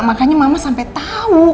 makanya mama sampe tahu